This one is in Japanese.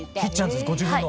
ご自分の。